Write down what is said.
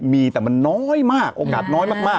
มีแต่มันน้อยมากโอกาสน้อยมาก